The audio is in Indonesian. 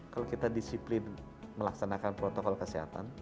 kalau kita disiplin melaksanakan protokol kesehatan tiga m